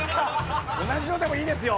同じのでもいいですよ。